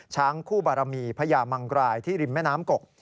ช้างคู่บารมีพญามังกรายที่ริมแม่น้ำกก